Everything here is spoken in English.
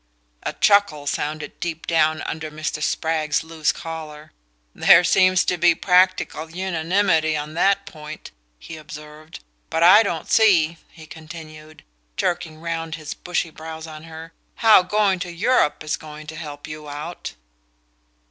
A chuckle sounded deep down under Mr. Spragg's loose collar. "There seems to be practical unanimity on that point," he observed. "But I don't see," he continued, jerking round his bushy brows on her, "how going to Europe is going to help you out."